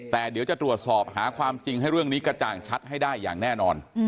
แต่เดี๋ยวจะตรวจสอบหาความจริงให้เรื่องนี้กระจ่างชัดให้ได้อย่างแน่นอน